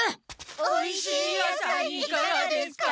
おいしいやさいいかがですか。